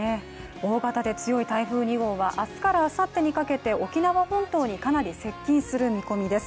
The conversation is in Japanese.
大型で強い台風２号は明日からあさってにかけて沖縄本島にかなり接近する見込みです。